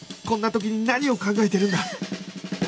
こんな時に何を考えてるんだ